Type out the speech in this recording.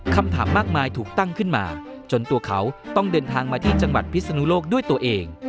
คำถามมากมายถูกตั้งขึ้นมาจนตัวเขาต้องเดินทางมาที่จังหวัดพิศนุโลกด้วยตัวเอง